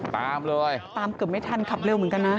ตามเลยตามเกือบไม่ทันขับเร็วเหมือนกันนะ